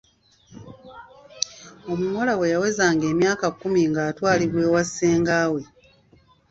Omuwala bwe yawezanga emyaka kkumi ng'atwalibwa ewa ssengaawe.